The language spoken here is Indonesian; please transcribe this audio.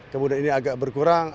kemudian ini agak berkurang